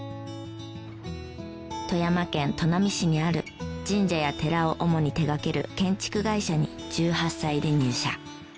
富山県砺波市にある神社や寺を主に手掛ける建築会社に１８歳で入社。